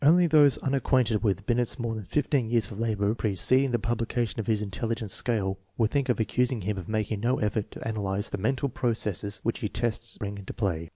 Only those uwicqiminted with Binel's more than fifteen years of labor preceding the publication of his intelligence scale would think of oecus THE BINET SBION METHOD 45 ing him of making no effort to analyze the mental proc esses which his tests bring into play.